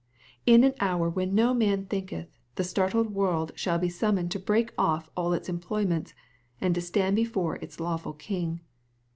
In an hour when no man thinketh, the startled world shall be summoned to break off all its employments, and to stand before its lawful King.